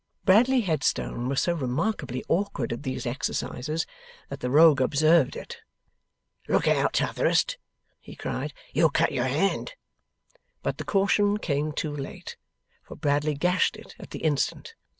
Bradley Headstone was so remarkably awkward at these exercises, that the Rogue observed it. 'Look out, T'otherest!' he cried, 'you'll cut your hand!' But, the caution came too late, for Bradley gashed it at the instant.